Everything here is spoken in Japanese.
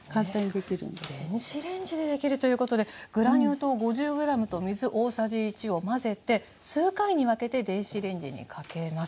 電子レンジでできるということでグラニュー糖５０ｇと水大さじ１を混ぜて数回に分けて電子レンジにかけます。